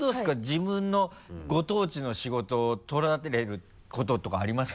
自分のご当地の仕事を取られることとかあります？